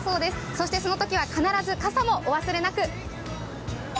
そしてそのときは必ず傘もお忘れなく。